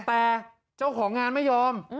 แต่เจ้าของงานไม่ยอม